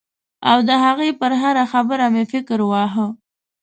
او د هغې پر هره خبره مې فکر واهه.